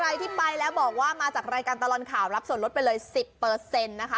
ที่ไปแล้วบอกว่ามาจากรายการตลอดข่าวรับส่วนลดไปเลย๑๐นะคะ